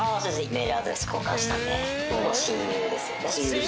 メールアドレス交換したんでもう親友ですよね